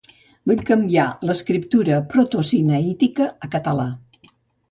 Vull canviar l'escriptura protosinaítica a català.